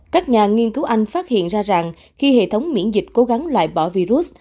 các nhà nghiên cứu anh phát hiện ra rằng khi hệ thống miễn dịch cố gắng loại bỏ virus